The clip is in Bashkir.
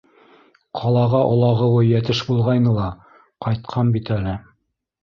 Ҡалаға олағыуы йәтеш булғайны ла, ҡайтҡан бит әле.